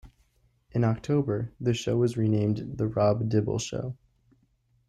In October, the show was renamed "The Rob Dibble Show".